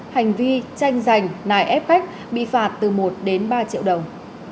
hành vi tranh giành nài ép khách bị phạt từ một đến ba triệu đồng